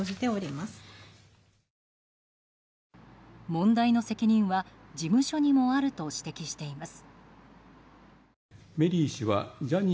問題の責任は事務所にもあると指摘しています。